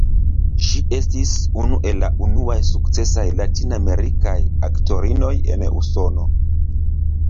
Ŝi estis unu el la unuaj sukcesaj latinamerikaj aktorinoj en Usono.